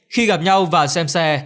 khi gặp nhau và xem xe